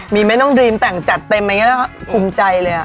มีไหมน้องดรีมแต่งจัดเต็มอย่างนี้แล้วภูมิใจเลย